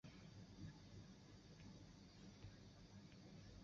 罗西是位于美国阿肯色州独立县的一个非建制地区。